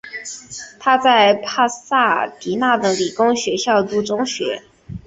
他在帕萨迪娜的理工学校读中学。